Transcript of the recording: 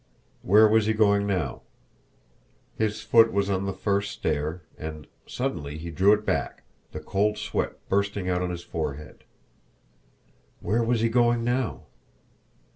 Where was he going now? His foot was on the first stair and suddenly he drew it back, the cold sweat bursting out on his forehead. Where was he going now?